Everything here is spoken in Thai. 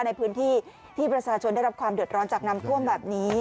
ในพื้นที่ที่ประชาชนได้รับความเดือดร้อนจากน้ำท่วมแบบนี้